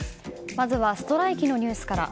まずはストライキのニュースから。